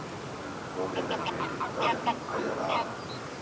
Koghenda kireti kukalemwa kukaia aho?